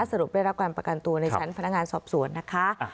สรุปได้รับการประกันตัวในชั้นพนักงานสอบสวนนะคะ